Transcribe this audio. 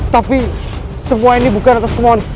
tapi semua ini bukan atas kemohon